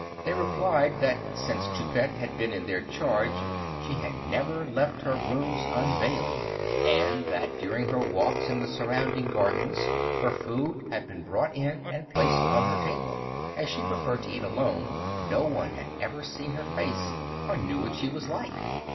They replied that since Toupette had been in their charge she had never left her rooms unveiled, and that during her walks in the surrounding gardens, her food had been brought in and placed on her table; as she preferred to eat alone no one had ever seen her face, or knew what she was like.